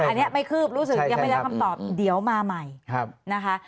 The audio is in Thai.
อันนี้ไม่คืบรู้สึกยังไม่ได้รับคำตอบเดี๋ยวมาใหม่นะคะ